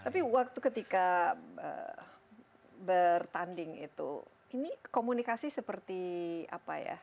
tapi waktu ketika bertanding itu ini komunikasi seperti apa ya